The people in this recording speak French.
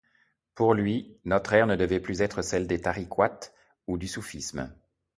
Pour lui, notre ère ne devait plus être celle des tarîqat ou du soufisme.